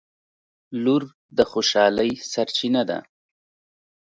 • لور د خوشحالۍ سرچینه ده.